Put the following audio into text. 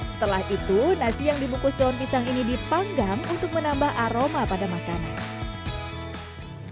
setelah itu nasi yang dibungkus daun pisang ini dipanggang untuk menambah aroma pada makanan